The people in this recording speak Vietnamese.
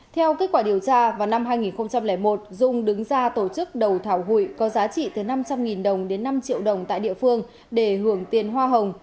theo kết quả điều tra vào năm hai nghìn một dung đứng ra tổ chức đầu thảo hụi có giá trị từ năm trăm linh đồng đến năm triệu đồng tại địa phương để hưởng tiền hoa hồng